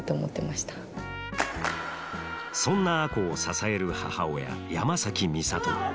そんな亜子を支える母親山崎美里。